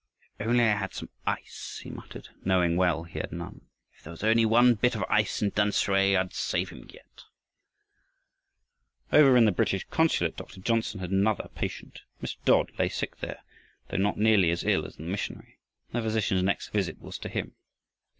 "If I only had some ice," he muttered, knowing well he had none. "If there was only one bit of ice in Tamsui, I'd save him yet." Over in the British consulate Dr. Johnsen had another patient. Mr. Dodd lay sick there, though not nearly as ill as the missionary, and the physician's next visit was to him.